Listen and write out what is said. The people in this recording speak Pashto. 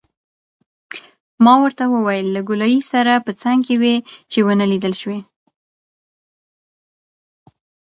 ما ورته وویل: له ګولایي سره په څنګ کې وې، چې ونه لیدل شوې.